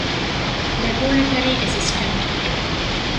ލެބޯރެޓަރީ އެސިސްޓަންޓް